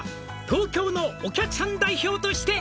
「東京のお客さん代表として」